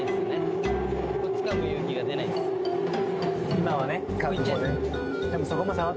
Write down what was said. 今はね。